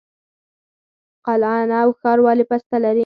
قلعه نو ښار ولې پسته لري؟